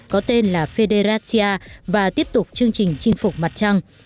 có tên là federatia và tiếp tục chương trình chinh phục mặt trăng